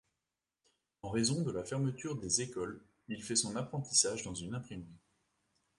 En raison de la fermeture des écoles, il fait son apprentissage dans une imprimerie.